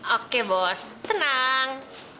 oke bos tenang